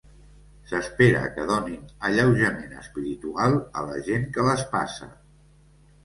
S'espera que donin alleujament espiritual a la gent que les passa.